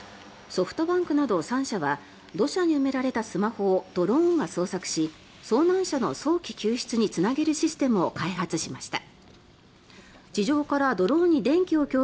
ソフトバンクなど３社は土砂に埋められたスマホをドローンが捜索し遭難者の早期救出につなげるシステムを開発しました。